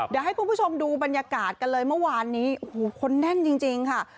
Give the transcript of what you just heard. เดี๋ยวให้คุณผู้ชมดูบรรยากาศกันเลยเมื่อวานนี้โอ้โหคนแน่นจริงค่ะ